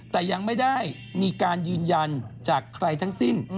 แต่ยังไม่ได้มีการยืนยันจากใครทั้งสิ้น